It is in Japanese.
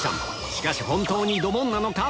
しかし本当にドボンなのか？